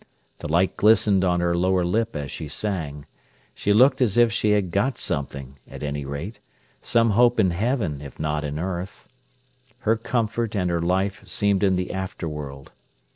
The light glistened on her lower lip as she sang. She looked as if she had got something, at any rate: some hope in heaven, if not in earth. Her comfort and her life seemed in the after world.